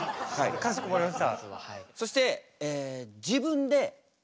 かしこまりました。